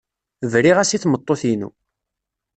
Briɣ-as i tmeṭṭut-inu.